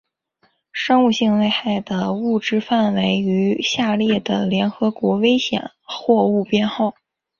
生物性危害的物质规范于下列的联合国危险货物编号